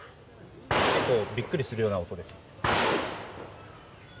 結構ビックリするような音です。